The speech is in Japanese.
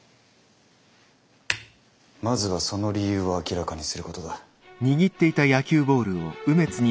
まずはその理由を明らかにすることだ。